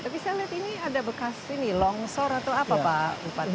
tapi saya lihat ini ada bekas ini longsor atau apa pak bupati